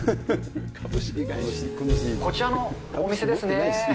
こちらのお店ですね。